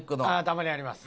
たまにあります。